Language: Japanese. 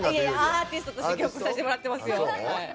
アーティストとしてやらせてもらってます。